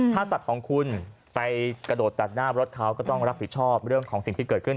ถ้าสัตว์ของคุณไปกระโดดตัดหน้ารถเขาก็ต้องรับผิดชอบเรื่องของสิ่งที่เกิดขึ้น